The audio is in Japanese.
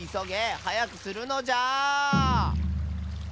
はやくするのじゃ！